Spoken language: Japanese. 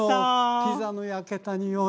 ピザの焼けたにおい。